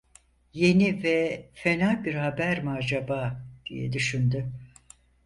Yeni ve fena bir haber mi acaba, diye düşündü.